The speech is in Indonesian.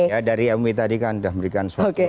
ya dari mui tadi kan sudah memberikan surat